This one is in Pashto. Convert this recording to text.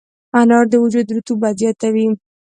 انار د وجود رطوبت زیاتوي.